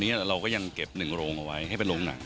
เราก็ยังเก็บ๑โรงเอาไว้ให้เป็นโรงหนัง